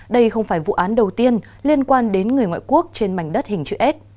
đây không phải vụ án đầu tiên liên quan đến người ngoại quốc trên mảnh đất hình chữ s